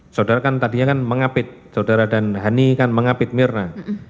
saudara kan tadinya kan mengapit saudara dan hani kan mengapit mirna